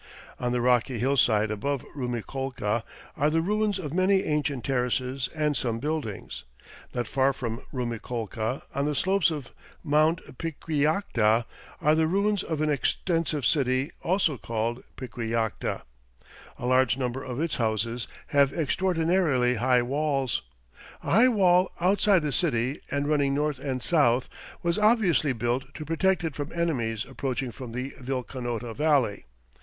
On the rocky hillside above Rumiccolca are the ruins of many ancient terraces and some buildings. Not far from Rumiccolca, on the slopes of Mt. Piquillacta, are the ruins of an extensive city, also called Piquillacta. A large number of its houses have extraordinarily high walls. A high wall outside the city, and running north and south, was obviously built to protect it from enemies approaching from the Vilcanota Valley.